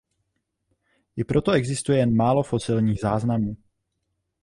I proto existuje jen málo fosilních záznamů.